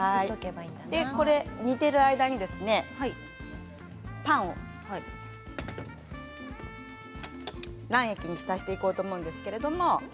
煮ている間にパンを卵液に浸していこうと思うんですけれど。